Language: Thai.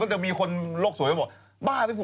เดี๋ยวจะมีคนโลกสวยไปบอก